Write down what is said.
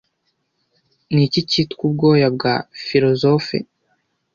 Niki cyitwa ubwoya bwa philosophe